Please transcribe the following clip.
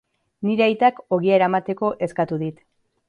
nire aitak ogia eramateko eskatu dit